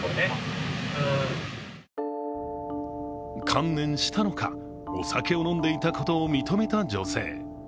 観念したのか、お酒を飲んでいたことを認めた女性。